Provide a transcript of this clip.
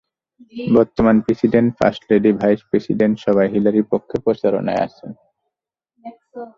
বর্তমান president, first lady, vice president সবাই হিলারির পক্ষে প্রচারণায় আছেন।